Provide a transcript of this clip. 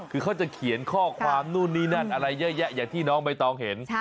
คือเขาจะเขียนข้อความนู่นนี่นั่นอะไรเยอะแยะอย่างที่น้องใบตองเห็น